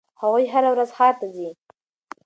هغوی هره ورځ ښار ته ځي.